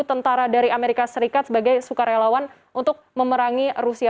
tentara dari amerika serikat sebagai sukarelawan untuk memerangi rusia